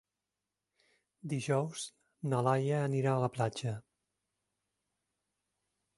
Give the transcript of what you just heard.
Dijous na Laia anirà a la platja.